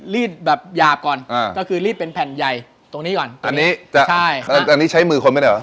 รีดแบบหยาบก่อนอ่าก็คือรีดเป็นแผ่นใหญ่ตรงนี้ก่อนอันนี้จะใช่อันนี้ใช้มือคนไม่ได้เหรอ